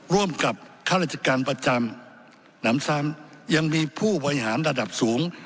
ร่วมกับข้าราชการประจำหนำซ้ำยังมีผู้บริหารระดับสูง